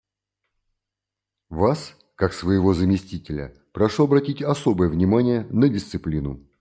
Вас, как своего заместителя, прошу обратить особое внимание на дисциплину.